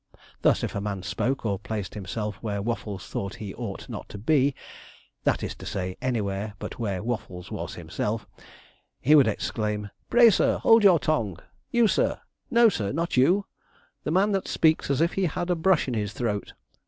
Thus, if a man spoke, or placed himself where Waffles thought he ought not to be (that is to say, anywhere but where Waffles was himself), he would exclaim, 'Pray, sir, hold your tongue! you, sir! no, sir, not you the man that speaks as if he had a brush in his throat!'